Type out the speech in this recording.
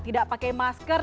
tidak pakai masker